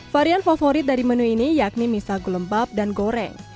varian favorit dari menu ini yakni mie sagu lembab dan goreng